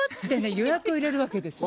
予約を入れるわけですよ。